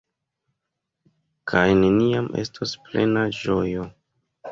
Kaj neniam estos plena ĝojo.